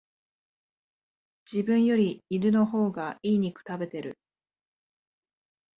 自分より犬の方が良い肉食べてる